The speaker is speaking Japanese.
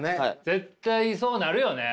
絶対そうなるよね！